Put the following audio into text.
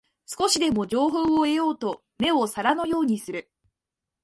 少しでも情報を得ようと目を皿のようにする